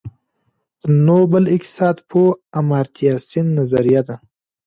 نوبل اقتصادپوه آمارتیا سېن نظريه ده.